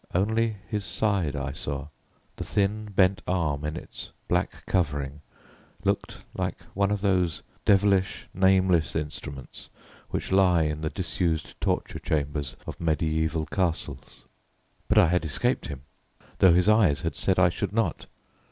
Only his side I saw; the thin bent arm in its black covering looked like one of those devilish, nameless instruments which lie in the disused torture chambers of mediaeval castles. But I had escaped him, though his eyes had said I should not.